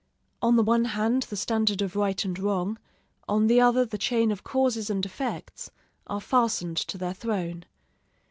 On the one hand the standard of right and wrong, on the other the chain of causes and effects, are fastened to their throne.